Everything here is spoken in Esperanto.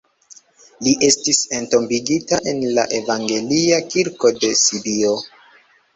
Li estis entombigita en la evangelia kirko de Sibio.